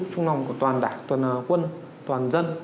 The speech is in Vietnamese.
trong lòng của toàn đảng toàn quân toàn dân